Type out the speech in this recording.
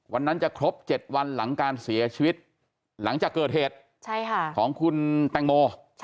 วันนั้นจะครบ๗วันหลังการเสียชีวิตหลังจากเกิดเหตุของคุณแตงโม